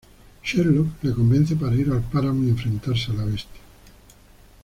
Sherlock le convence para ir al páramo y enfrentarse a la bestia.